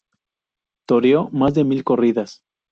Toreó más de mil corridas.